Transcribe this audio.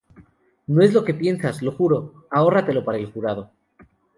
¡ No es lo que piensas, lo juro! ¡ ahórratelo para el jurado!